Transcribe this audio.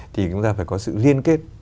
thì chúng ta phải có sự liên kết